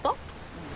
うん。